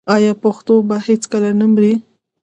آیا پښتو به هیڅکله نه مري؟